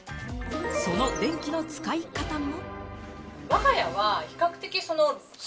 その電気の使い方も。